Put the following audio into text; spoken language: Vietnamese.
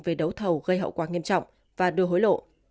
về đấu thầu gây hậu quả nghiêm trọng và đưa hối lộ